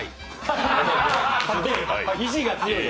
意思が強い。